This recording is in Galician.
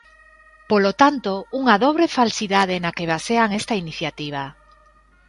Polo tanto, unha dobre falsidade na que basean esta iniciativa.